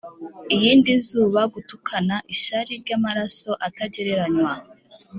iyindi zuba, gutukana ishyari ryamaraso atagereranywa.